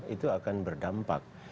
itu akan berdampak